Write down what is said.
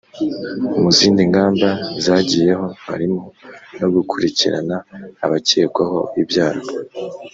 Mu zindi ngamba zagiyeho harimo no gukurikirana abakekwaho ibyaha